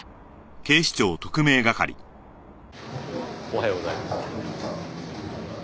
おはようございます。